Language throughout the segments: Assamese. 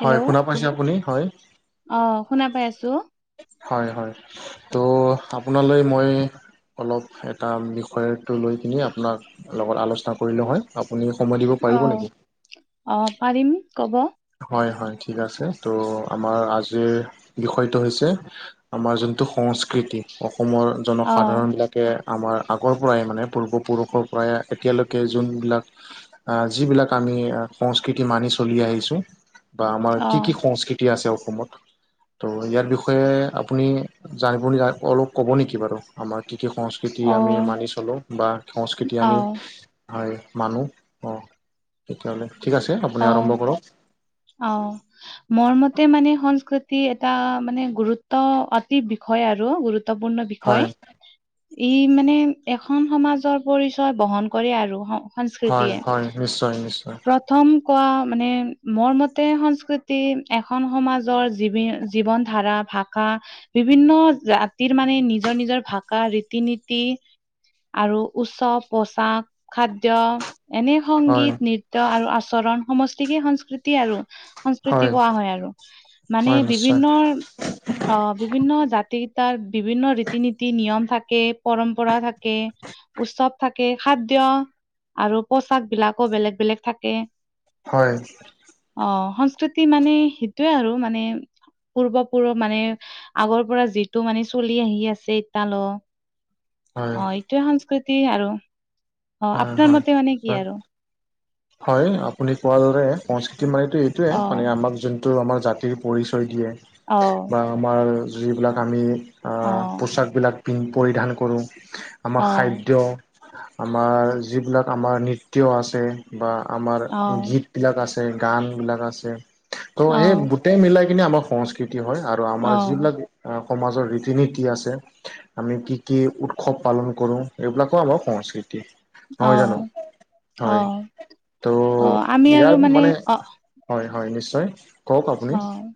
হেল্ল' হয় শুনা পাইছে আপুনি হয়। অ শুনা পাই আছোঁ। হয় হয় ত' আপোনালৈ মই অলপ এটা বিষয়টো লৈ পিনে আপোনাৰ লগত আলোচনা কৰিলোঁ হয় আপুনি সময় দিব অ পাৰিব নেকি? অ পাৰিম ক'ব। হয় হয় ঠিক আছে ত' আমাৰ আজিৰ বিষয়টো হৈছে আমাৰ যোনটো সংস্কৃতি অসমৰ অ জনসাধাৰণ বিলাক আমাৰ আগৰ পৰাই মানে পূৰ্বপুৰুষৰ পৰাই এতিয়ালৈকে যোনবিলাক আহ যিবিলাক আমি সংস্কৃতি মানি চলি আহিছোঁ। বা আমাৰ অ কি কি সংস্কৃতি আছে অসমত ত' ইয়াৰ বিষয়ে আপুনি জানিব নি অলপ ক'ব নেকি বাৰু? আমাৰ কি, কি সংস্কৃতি অ আমি মানি চলোঁ বা সংস্কৃতি অ আমি হয় মানো, অঁ, তেতিয়াহ'লে ঠিক আছে আপুনি আৰম্ভ কৰক। অঁ। মোৰ মতে মানে সংস্কৃতি এটা মানে গুৰুত্ব অতি বিষয় আৰু গুৰুত্বপূৰ্ণ বিষয় হয় ই মানে এখন সমাজৰ পৰিচয় বহন কৰে আৰু। হয় সংস্কৃতিয়ে, হয় নিশ্চয় নিশ্চয় প্ৰথম কোৱা মানে মোৰ মতে সংস্কৃতি, এখন সমাজৰ জীৱ, জীৱন ধাৰা ভাষা বিভিন্ন জাতিৰ মানে নিজৰ, নিজৰ ভাষা ৰীতি নীতি। আৰু উৎসৱ, পোচাক, খাদ্য এনে হয় সংগীত নৃত্যয় আৰু আচৰণ সমষ্টিকে সংস্কৃতি আৰু। সংস্কৃতি কোৱা হয় আৰু মানে হয় নিশ্চয় বিভিন্ন অঁ, বিভিন্ন জাতি তাৰ বিভিন্ন ৰীতি নীতি, নিয়ম থাকে, পৰম্পৰা থাকে- উৎসৱ থাকে, খাদ্য আৰু পোছাক বিলাকো বেলেগ বেলেগ থাকে। হয়। অঁ, সংস্কৃতি মানে সেইটোয়ে আৰু মানে- পূৰ্বপূৰ মানে আগৰ পৰা যিটো মানে চলি আহি আছে এতিয়ালৈ। হয় অঁ, এইটোৱে সংস্কৃতি আৰু অঁ, হয় আপোনাৰ হয় মতে মানে নিশ্চয় কি আৰু? হয়, আপুনি কোৱাৰ দৰে সংস্কৃতি মানেটো এইটোয়ে অ মানে আমাক যোন- টোৰ আমাৰ জাতিৰ পৰিচয় দিয়ে। অঁ। বা আমাৰ যিবিলাক আমি অ', পোছাকবিলাক পৰিধান কৰোঁ। আমাৰ অ', খাদ্য। আমাৰ যিবিলাক আমাৰ নৃত্য আছে বা আমাৰ অ', গীত- বিলাক আছে, গান বিলাক আছে, ত' অ', সেই গোটেই মিলাই কিনে আমাৰ সংস্কৃৃতি- সংস্কৃতি হয় আৰু আমাৰ অ', যিবিলাক সমাজৰ ৰীতি নীতি আছে- আমি কি কি উৎসৱ পালন কৰো এইবিলাকো আমাৰ সংস্কৃতি। নহয় জানো, হয়। অ', ত' আমি আৰু ইয়াৰ মানে- হয়, হয় নিশ্চয়। কওক আপুনি অঁ।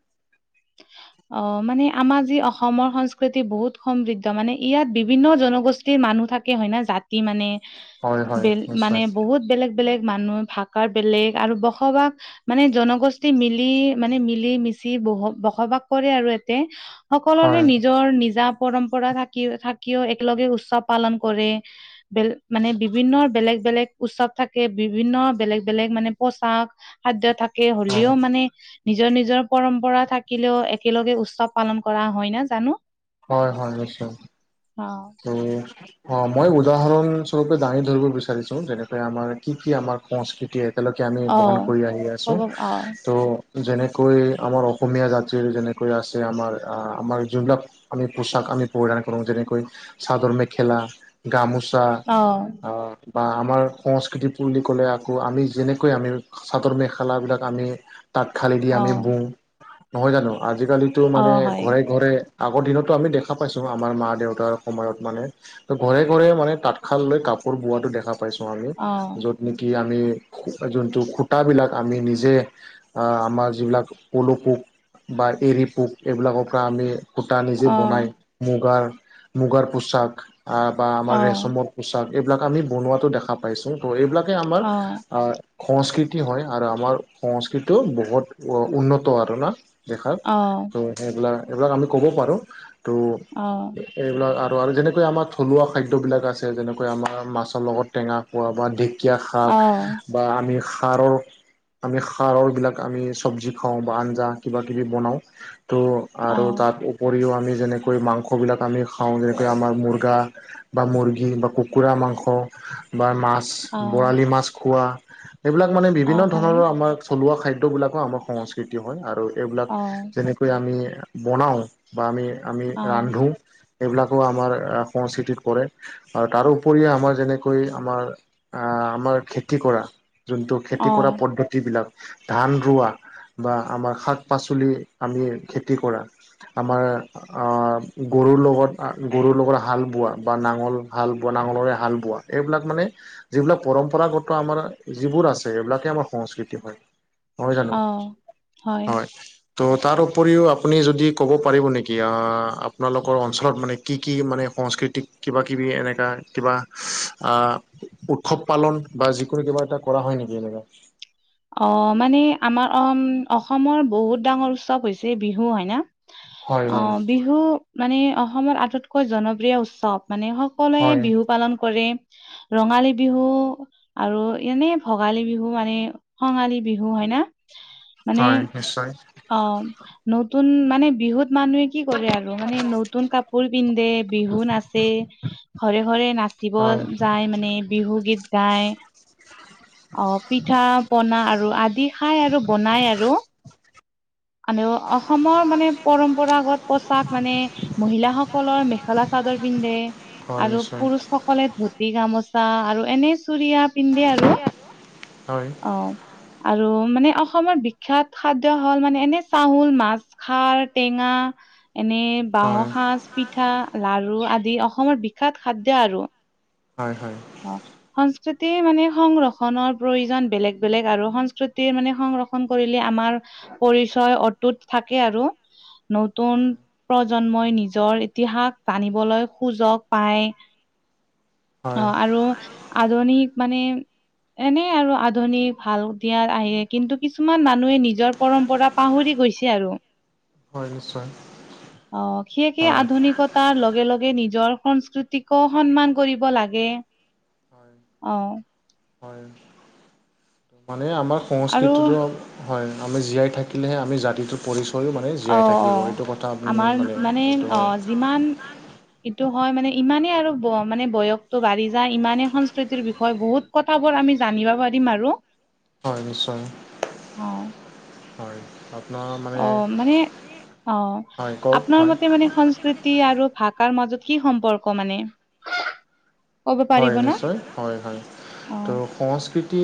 [inaudible] অঁ, মানে আমাৰ যি অসমৰ সংস্কৃতি বহুত সমৃদ্ধ মানে ইয়াত বিভিন্ন জনগোষ্ঠী- মানুহ থাকে হয় না, জাতি মানে হয় হয় মানে নিশ্চয় বে বহুত বেলেগ- বেলেগ মানুহ, ভাষাৰ বেলেগ আৰু বসবাস মানে জনগোষ্ঠী মিলি- মানে মিলি -মিছি বহ বসবাস কৰে আৰু ইয়াতে। সকলোৰে হয় নিজৰ নিজা- পৰম্পৰা থাকি থাকিও একেলগে উৎসৱ পালন কৰে। বেলেগ মানে বিভিন্ন বেলেগ বেলেগ উৎসৱ থাকে, বিভিন্ন বেলেগ বেলেগ মানে পোছাক- খাদ্য থাকে হয় হ'লেও মানে- নিজৰ নিজৰ পৰম্পৰা থাকিলেও একেলগে উৎসৱ পালন কৰা হয় না, জানো। হয়, হয় নিশ্চয়। অঁ। ত- অঁ, মই উদাহৰণ স্বৰূপে দাঙি ধৰিব বিচাৰিছো যেনেকে আমাৰ কি কি আমাৰ সংস্কৃতি- এতিয়ালৈকে আমি অ বহন কৰি আহি আছোঁ। ক'ব অ ত'- যেনেকৈ আমাৰ অসমীয়া জাতিৰ যেনেকৈ আছে আমাৰ আমাৰ যোনবিলাক- আমি পোছাক আমি পৰিধান কৰো যেনেকৈ- চাদৰ মেখেলা, গামোচা অ আ- বা আমাৰ সংস্কৃতি বুলি ক'লে আকৌ আমি যেনেকৈ আমি চাদৰ মেখেলাবিলাক আমি- তাঁত খালী দি অ আমি বওঁ, নহয় জানো? আজিকালিতো অ মানে হয় ঘৰে ঘৰে- আগৰ দিনতো আমি দেখা পাইছোঁ আমাৰ মা- দেউতাক- সময়ত মানে ত ঘৰে ঘৰে মানে তাঁতশাল লৈ কাপোৰ বোৱাতো দেখা পাইছো আমি। অ য'ত- কি আমি যোনটো খুটাবিলাক আমি নিজে- আঁ আমাৰ যিবিলাক পলু পোক বা এৰী পোক এইবিলাকৰ পৰা আমি- সূতা নিজে বনায়, মুগাৰ মুগাৰ পোছাক বা আমাৰ ৰেচমত- পোছাক এইবিলাকে আমি বনোৱাতো দেখা পাইছো। ত' এইবিলাকে আমাৰ আহ- সংস্কৃতি হয় আৰু আমাৰ সংস্কৃতিও বহুত উন্নত আৰু না- দেখাৰ। ত' সেইবিলাক এইবিলাক আমি ক'ব পাৰোঁ। ত'- অঁ এইবিলাক আৰু আৰু যেনেকৈ আমাৰ থলুৱা খাদ্যবিলাক আছে, যেনেকৈ আমাৰ মাছৰ লগত টেঙা খোৱা বা ঢে কীয়া শাক বা আমি সাৰৰ আমি খাৰৰ বিলাক আমি চব্জি খাওঁ, বা আঞ্জা কিবাকিবি বনাওঁ। ত' আৰু তাৰ উপৰিও আমি যেনেকৈ মাংসবিলাক আমি খাও, যেনেকৈ আমাৰ মুৰ্গা বা মৰ্গী বা কুকুৰা মাংস বা মাছ বৰালি মাছ খোৱা, এইবিলাক মানে বিভিন্ন হয় ধৰণৰ আমাৰ থলোৱা খাদ্যবিলাকো আমাৰ সংস্কৃতি হয়, আৰু এইবিলাক অ যেনে কৈ আমি বনাওঁ বা আমি, আমি অ ৰান্ধো। এইবিলাকো আমাৰ সংস্কিতিত পৰে। আৰু তাৰোপৰি আমাৰ যেনেকৈ আমাৰ আঁহ আমাৰ খেতি কৰা যোনটো অ খেতি কৰা পদ্ধতিবিলাক, ধান ৰোৱা বা আমাৰ শাক পাচলি আমি খেতি কৰা। আমাৰ আঁ গৰুৰ লগত অঁ গৰুৰ লগত হাল বোৱা বা নাঙল হাল বোৱা নাঙলৰে হাল বোৱা, এইবিলাক মানে যিবিলাক পৰম্পৰাগত আমাৰ যিবোৰ আছে, এইবিলাকে আমাৰ সংস্কৃতি হয়। হয় জানো, অ হয়। ত' তাৰ উপৰিও আপুনি যদি ক'ব পাৰিব নেকি আঁ আপোনালোকৰ অঞ্চলত মানে কি কি মানে সংস্কৃতিক কিবাকিবি এনেকুৱা কিবা আঁ উৎসৱ পালন বা যিকোনো কিবা এটা কৰা হয় নেকি এনেকে? অঁ মানে আমাৰ অ অসমৰ বহুত ডাঙৰ উৎসৱ হৈছে বিহু হয় হয় ন। হয় অঁ বিহু মানে অসমৰ আটতকৈ জনপ্ৰিয় উৎসৱ, মানে সকলোৱে হয় বিহু পালন কৰে। ৰঙালী বিহু আৰু এনেই ভোগালী বিহু মানে কঙালী বিহু হয় ন, মানে হয় নিশ্চয় অঁ, নতুন মানে বিহুত মানুহে কি কৰে আৰু মানে নতুন কাপোৰ পিন্ধে, বিহু নাচে ঘৰে ঘৰে নাচিব হয় যায় মানে বিহু গীত গাই। অঁ পিঠা পনা আৰু আদি খাই আৰু বনাই আৰু, আমিও অসমৰ মানে পৰম্পৰাগত পোচাক মানে মহিলাসকলৰ মেখেলা চাদৰ পিন্ধে হয় আৰু নিশ্চয় পুৰুষসকলে ধুত তি গামোচা আৰু এনেই চুৰিয়া পিন্ধে আৰু। হয়। অঁ, আৰু মানে অসমৰ বিখ্যাত খাদ্য হল মানে এনেই চাউল মাছ খাৰ টেঙা এনেই বাঁহ হয় সাজ, পিঠা লাৰু আদি অসমৰ বিখ্যাত খাদ্য আৰু। হয় হয়। অঁ সংস্কৃতি মানে সংৰ ক্ষন প্ৰয়োজন বেলেগ বেলেগ আৰু সংস্কৃতিৰ মানে সংৰক্ষণ কৰিলে আমাৰ পৰিচয় অটুত থাকে আৰু, নতুন হয় প্ৰজন্মই নিজৰ ইতিহাস জানিবলৈ সুযোগ পায়। অঁ হয় আৰু আধুনিক মানে এনেই আৰু আধুনিক ভাল দিয়াত আহে, কিন্তু কিছুমান মানুহে নিজৰ পৰম্পৰা পাহৰি গৈছে আৰু। হয় নিশ্চয়। অ', সিয়ে কি হয় আধুনিকত- তাৰ লগে-লগে নিজৰ সংস্কৃতিকো সন্মান কৰিব লাগে। অ হয়-হয়, মানে আমাৰ আৰু সংস্কৃতিটো- হয়, আমি জীয়াই থাকিলে'হে আমি জাতিটো পৰিচয়ো মানে অ জীয়াই অ থাকিব এইটো কথা আপুনি মানে এইটো হয়। ইমান- হয়। এইটো হয় মানে ইমানেই আৰু মানে বয়সটো বাঢ়ি যায়, ইমানেই সংস্কৃতিৰ বিষয়ে বহুত- ককথাবোৰ আমি জানিব পাৰিম আৰু। হয় নিশ্চয়, অ হয়। আপোনাৰ মানে অ' মানে অ', হয় কওক আপোনাৰ হয় মতে মানে সংস্কৃতি- আৰু ভাষাৰ মাজত কি সম্পৰ্ক মানে? ক'ব হয় পাৰিব না নিশ্চয় হয়-হয়। অ ত' সংস্কৃতি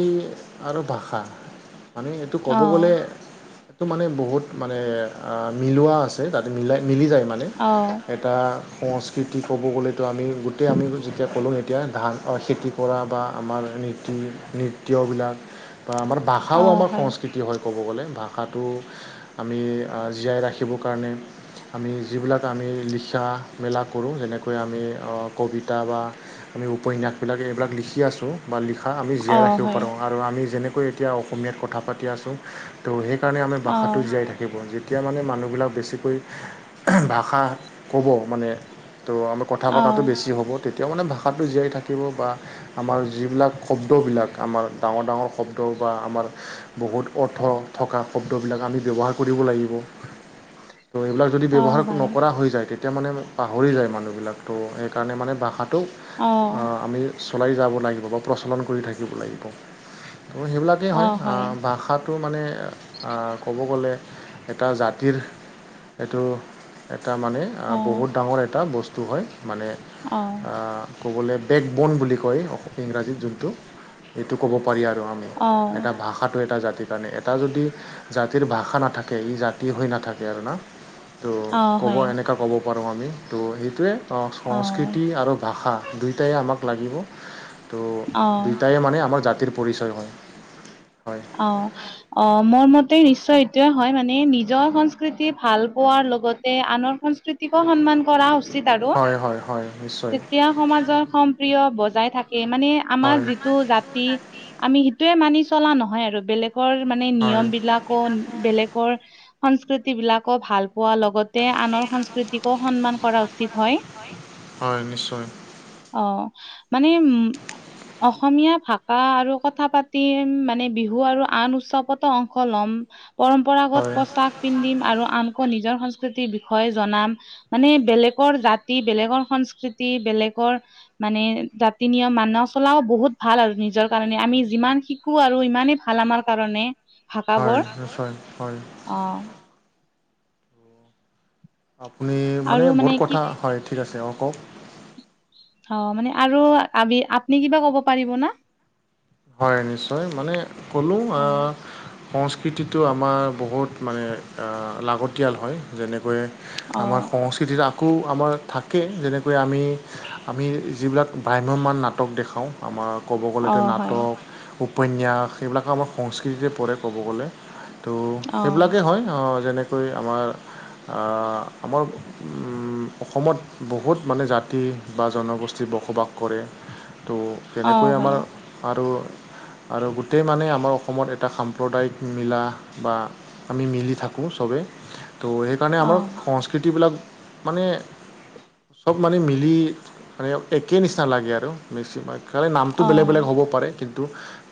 আৰু ভাষা- মানে এইটো ক'ব গ'লে অ', এইটো মানে বহুত মানে মিলোৱা আছে- তা'তে মিলাই-মিলি যায় মানে। অ', এটা সংস্কৃতি ক'ব গ'লেতো আমি গোটেই আমি যেতিয়া ক'লোঁ- এতিয়া ধান খেতি কৰা বা আমাৰ নীতি, নৃত্যবিলাক- বা আমাৰ ভাষাও অ', আমাৰ হয়, সংস্কৃতি হয় ক'ব গ'লে। ভাষাটো- আমি জীয়াই ৰাখিবৰ কাৰণে- আমি যিবিলাক আমি লিখা-মেলা কৰোঁ, যেনেকৈ আমি কবিতা বা- আমি উপন্যাসবিলাক এইবিলাক লিখি আছোঁ বা লিখা আমি জীয়াই অ', ৰাখিব হয়, পাৰোঁ। আৰু আমি যেনেকৈ এতিয়া অসমীয়াত কথা পাতি আছোঁ তো সেইকাৰণে আমাৰ ভাষাটো অ', জীয়াই থাকিব। যি- এতিয়া মানে মানুহবিলাক বেছিকৈ ভাষা ক'ব মানে তো আমাৰ- কথা পতাটো অ', বেছি হ'ব তেতিয়াও মানে ভাষাটো জীয়াই থাকিব বা- আমাৰ যিবিলাক শব্দবিলাক আমাৰ ডাঙৰ-ডাঙৰ শব্দ বা আমাৰ- বহুত অৰ্থ থকা শব্দবিলাক আমি ব্যৱহাৰ কৰিব লাগিব। ত' এইবিলাক- যদি অ', ব্যৱহাৰ হয়, নকৰা হৈ যায় তেতিয়া মানে পাহৰি যায় মানুহবিলাকতো সেইকাৰণে মানে ভাষাটো- অ', আমি চলাই যাব লাগিব বা প্ৰচলন কৰি থাকিব। ত' সেইবিলাক- হয়, ভাষা- ভাষাটো মানে আঁহ', ক'ব গ'লে এটা জাতিৰ এইটো- এটা মানে বহুত অ', ডাঙৰ এটা বস্তু হয়, মানে অঁ। অঁহ', ক'বলৈ বেকবণ বুলি কয় ইংৰাজীত যোনটো সেইটো ক'ব পাৰি আৰু আমি। অ', এটা ভাষাটো এটা জাতি- সেইকাৰণে, এটা যদি জাতিৰ ভাষা নাথাকে ই জাতি হৈ নাথাকে আৰু ন। ত' অ', ক'ব হয়, এনেকুৱা ক'ব পাৰোঁ আমি ত' সেইটোৱে, অ', সংস্কৃতি আৰু ভাষা। দুইটায়ে আমাক লাগিব, ত' অ', দুইটায়ে মানে আমাক জা- তিৰ পৰিচয় হয়, হয়। অঁ। অঁ', মোৰ মতে নিশ্চয় এইটোয়ে হয় মানে নিজৰ সংস্কৃতি ভাল পোৱাৰ লগতে আনৰ সংস্কৃতি- কো সন্মান কৰা উচিত আৰু, হয় হয় হয় নিশ্চয় তেতিয়া সমাজৰ- প্ৰিয় বজাই থাকে, মানে আমাৰ মানে যিটো জাতি আমি সিটোয়ে মানি চলা - নহয় আৰু। বেলেগৰ মানে নিয়মবিলাক- বেলেগৰ সংস্কৃতি বিলাকো ভাল পোৱা লগত তে আনৰ সংস্কৃতিকো সন্মান কৰা উচিত হয়। হয় নিশ্চয় অ', মানে উ অসমীয়া ভাষা আৰু কথা পাতি মানে বিহু আৰু আন উৎসৱত' অংশ লম। পৰম্পৰাগত হয়। পছাক পিন্ধিম আৰু আনকো নিজৰ সংস্কৃতিৰ বিষয়ে জনাম। মানে, বেলেকৰ জাতি, বেলেকৰ সংস্কৃতি, বেলেকৰ মানে জাতি নিয়ম মানা চলাও বহুত ভাল আৰু নিজৰ কাৰণে, আমি যিমান শিকো আৰু ইমানেই ভাল আমাৰ কাৰণে, ভাষা হয় বৰ, নিশ্চয় হয় অ'। আপুনি, মানে আৰু বহুত কি কথা হয় ঠিক আছে অ', কওঁক। অ', মানে আৰু, আবি আপনি কিবা ক'ব পাৰিব না? হয়, নিশ্চয় মানে ক'লো অ' সংস্কৃতিটো আমাৰ বহুত মানে অ', লাগতিয়াল হয়। যেনেকৈ অ আমাৰ সংস্কৃতিত আকৌ আমাৰ থাকে, যেনেকৈ আমি আমি যিবিলাক ভ্ৰাম্যমান নাটক দেখাওঁ, আমাৰ ক'ব অ গ'লে নাট হয় উপন্যাস, এইবিলাকো আমাৰ সংস্কৃতিতে পৰে ক'ব গ'লে। ত' অ সেইবিলাকেই হয়, যেনেকৈ আমাৰ আমাৰ উ, অসমত বহুত মানে জাতি বা জনগোষ্ঠী বসবাস কৰে। ত' অ তেনেকৈ হয় আমাৰ আৰু আৰু, গোটেই মানে আমাৰ অসমত এটা সাম্প্ৰদায়িক মিলা বা আমি মিলি থাকো চবেই, ত' সেইকাৰণে অ আমাৰ সংছ কৃতি বিলাক মানে চব মানে মিলি,। মানে একে নিচিনা লাগে আৰু বেছিভাগ খালি নামটো বেলেগ বেলেগ অ হ'ব পাৰে, কিন্তু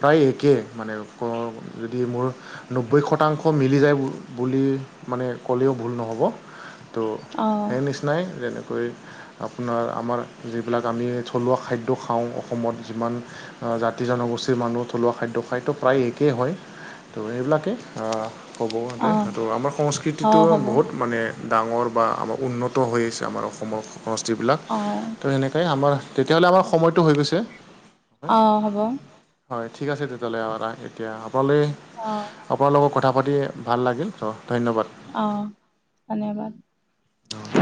প্ৰায় একে, মানে [unintelligible] যদি মোৰ নব্বৈ শতাংশ মিলি যায় বু বুলি মানে ক'লেও ভুল নহ'ব। ত', অ সেই নিচিনাই যেনেকৈ আপোনাৰ, আমাৰ যিবিলাক আমি থলুৱা খাদ্য খাওঁ, অসমত যিমান জাতি জনগোষ্ঠীৰ মানুহ থলুৱা খাদ্য খায় ত', প্ৰায় একেই হয়, ত', এইবিলাকেই কব গ'লে অ আমাৰ অ সংস্কৃতিটো হ'ব বহুত মানে ডাঙৰ বা আমাৰ উন্নত হৈ আহিছে আমাৰ অসমৰ সংসতিবিলাক অ'। সেনেকাই আমাৰ তেতিয়াহ'লে আমাৰ সময়টো হৈ গৈছে। অ', হ'ব। হয়, ঠিক আছে তেতিয়াহ'লে অ', ৰাখ এতিয়া আপালে অ'। আপোনাৰ লগত কথা পাতি ভাল লাগিল, ত' ধন্যবাদ। অ', ধন্যবাদ। [inaudible]